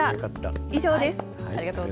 以上です。